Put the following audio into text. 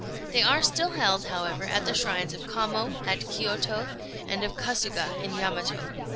They are still held, however, at the shrines of Kamo, at Kiôto, and of Kasuga, in Yamato.